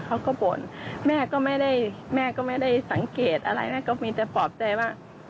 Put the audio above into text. เขาก็บ่นแม่ก็ไม่ได้แม่ก็ไม่ได้สังเกตอะไรแม่ก็มีแต่ปลอบใจว่า